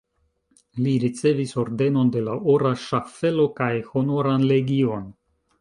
Li ricevis Ordenon de la Ora Ŝaffelo kaj Honoran legion.